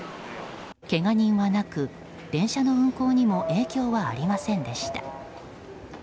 けが人はなく電車の運行にも影響はありませんでした。